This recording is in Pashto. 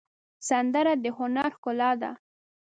سندره د هنر ښکلا ده